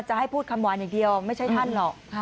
จะให้พูดคำหวานอย่างเดียวไม่ใช่ท่านหรอก